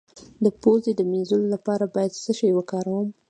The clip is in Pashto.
د پوزې د مینځلو لپاره باید څه شی وکاروم؟